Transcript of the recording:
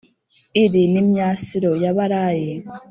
iri ni myasiro ya barayi.